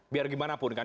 biar gimana pun kan